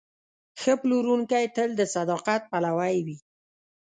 ښه پلورونکی تل د صداقت پلوی وي.